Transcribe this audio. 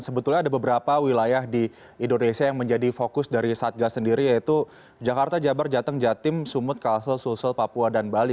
sebetulnya ada beberapa wilayah di indonesia yang menjadi fokus dari satgas sendiri yaitu jakarta jabar jateng jatim sumut kalsel sulsel papua dan bali